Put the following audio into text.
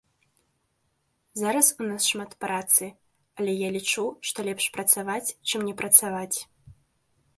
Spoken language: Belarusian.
Зараз у нас шмат працы, але я лічу, што лепш працаваць, чым не працаваць.